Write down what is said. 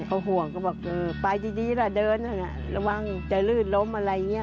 เขาห่วงก็บอกเออไปดีล่ะเดินระวังจะลื่นล้มอะไรอย่างนี้